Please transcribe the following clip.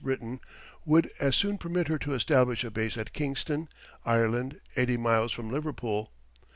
Britain would as soon permit her to establish a base at Kingston, Ireland, eighty miles from Liverpool.